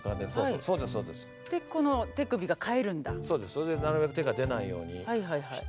それでなるべく手が出ないようにして。